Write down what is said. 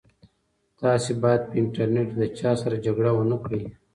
تاسي باید په انټرنيټ کې له چا سره جګړه ونه کړئ.